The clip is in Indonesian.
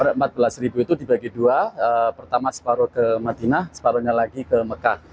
sekitar empat belas itu dibagi dua pertama separuh ke madinah separuhnya lagi ke mekah